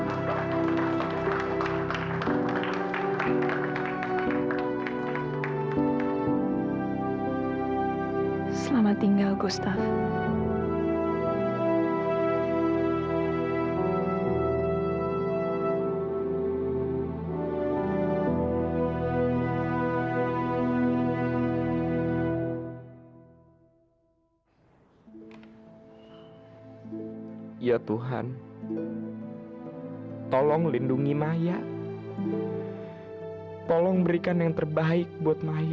selamat tinggal gustaf